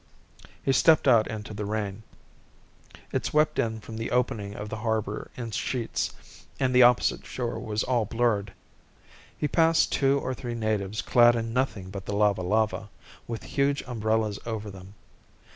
He stepped out into the rain. It swept in from the opening of the harbour in sheets and the opposite shore was all blurred. He passed two or three natives clad in nothing but the lava lava, with huge umbrellas over them.